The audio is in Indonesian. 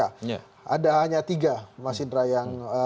ada hanya tiga masidra yang